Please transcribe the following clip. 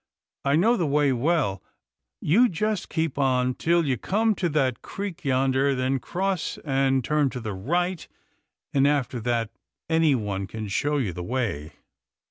I know the way well. You just keep on till you come to that creek yonder, then cross and turn to the right, and after that any one can show you the way."